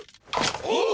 おう！